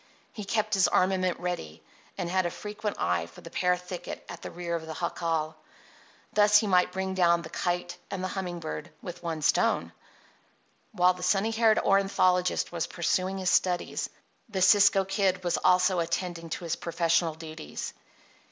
He kept his armament ready, and had a frequent eye for the pear thicket at the rear of the jacal. Thus he might bring down the kite and the humming bird with one stone. While the sunny haired ornithologist was pursuing his studies the Cisco Kid was also attending to his professional duties.